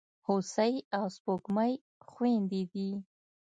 هوسۍ او سپوږمۍ خوېندي دي.